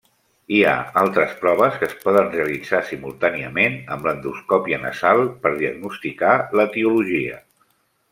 Hi ha altres proves que es poden realitzar simultàniament amb l'endoscòpia nasal per diagnosticar l'etiologia.